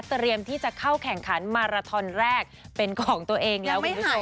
เตรียมที่จะเข้าแข่งขันมาราทอนแรกเป็นของตัวเองแล้วคุณผู้ชม